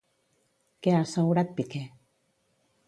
Què ha assegurat Piqué?